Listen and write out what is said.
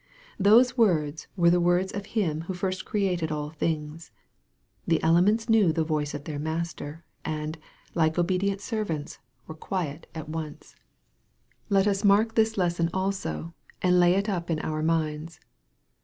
Those words were the words of Him who first created all things. The elements knew the voice of their Master, and, like obedient servants, were quiet at once. MARK, CHAP. IV. 85 Let us mark this lesson also, and lay it up in our minds.